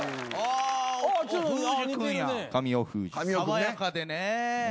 爽やかでね。